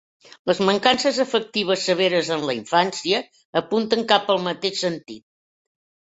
Les mancances afectives severes en la infància apunten cap al mateix sentit.